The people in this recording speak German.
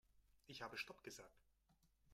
Ich habe stopp gesagt.